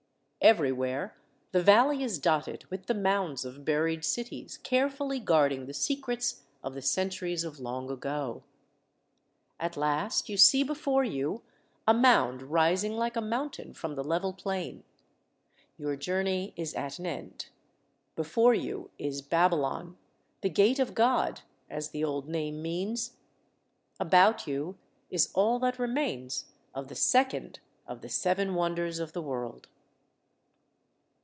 Everywhere the valley is dotted with the mounds of buried cities carefully guarding the secrets of the centuries of long ago. At last you see before you a mound rising like a mountain from the level plain. Your journey is at an end. Before you is Babylon, the 'Gate of God," as the old name means. About you is all that remains of the second of the Seven Wonders of the World.